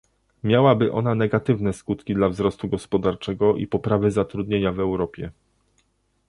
Miałaby ona negatywne skutki dla wzrostu gospodarczego i poprawy zatrudnienia w Europie